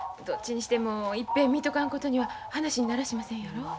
どっちにしても一遍見とかんことには話にならしませんやろ。